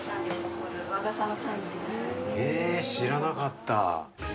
知らなかった。